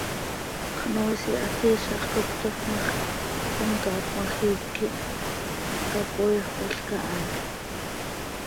Xnoois ihaat iizax cop cötafp ma x, comcaac cmajiic quih capoeejolca ha.